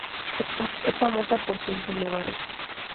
Es famosa por sus bulevares.